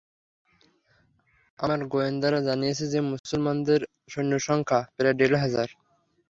আমার গোয়েন্দারা জানিয়েছে যে, মুসলমানদের সৈন্যসংখ্যা প্রায় দেড় হাজার।